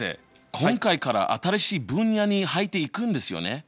今回から新しい分野に入っていくんですよね？